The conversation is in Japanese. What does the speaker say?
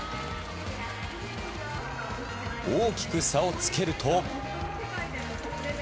大きく差をつけると。